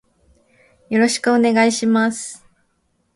よろしくお願いします。